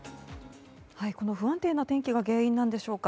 この不安定な天気が原因なんでしょうか。